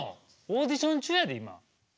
オーディション中やで今。